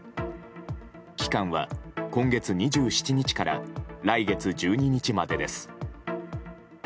期間は今月２７日から来月１２日までです。